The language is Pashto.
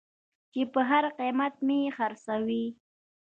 چې په هر قېمت مې خرڅوې.